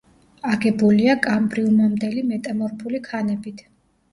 აგებულია კამბრიუმამდელი მეტამორფული ქანებით.